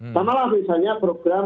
sama lah misalnya program